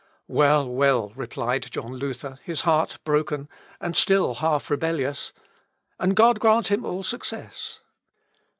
"Well, well!" replied John Luther, his heart broken, and still half rebellions; "and God grant him all success."